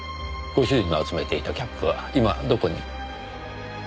ご主人の集めていたキャップは今どこに？